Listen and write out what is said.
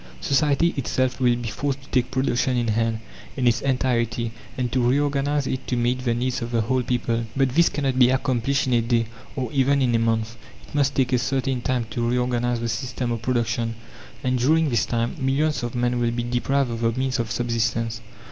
Society itself will be forced to take production in hand, in its entirety, and to reorganize it to meet the needs of the whole people. But this cannot be accomplished in a day, or even in a month; it must take a certain time to reorganize the system of production, and during this time millions of men will be deprived of the means of subsistence.